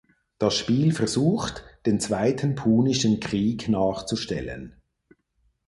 Das Spiel versucht, den Zweiten Punischen Krieg nachzustellen.